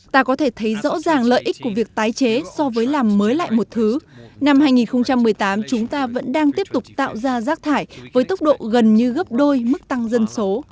ta có thể thấy rõ ràng lợi ích của việc tái chế so với làm mới lại một thứ năm hai nghìn một mươi tám chúng ta vẫn đang tiếp tục tạo ra rác thải với tốc độ gần như gấp đôi mức tăng dân số